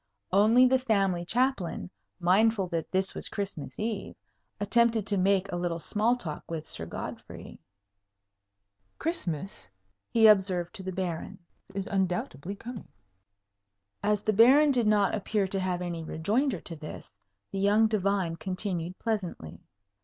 Only the family Chaplain, mindful that this was Christmas Eve, attempted to make a little small talk with Sir Godfrey. "Christmas," he observed to the Baron, "is undoubtedly coming." As the Baron did not appear to have any rejoinder to this, the young divine continued, pleasantly.